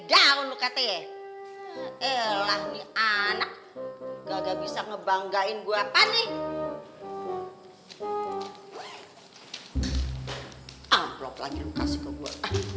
daun lu kate eh lah nih anak kagak bisa ngebanggain gua apa nih amplop lagi lu kasih ke gua